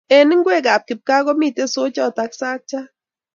Eng ngwekab kipkaa komitei isochot ak sakchat